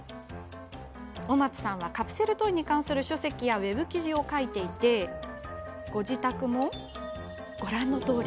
尾松さんはカプセルトイに関する書籍やウェブ記事を書いていて自宅もご覧のとおり。